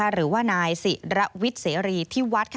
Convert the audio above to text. หรือว่านายศิระวิทย์เสรีที่วัด